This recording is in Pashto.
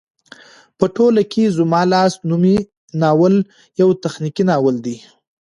په ټوله کې زما لاس نومی ناول يو تخنيکي ناول دى